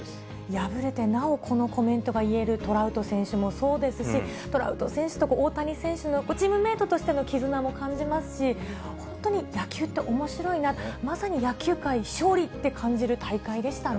敗れてなおこのコメントが言えるトラウト選手もそうですし、トラウト選手と大谷選手の、チームメートとしての絆も感じますし、本当に野球っておもしろいな、まさに野球界勝利って感じる大会でしたね。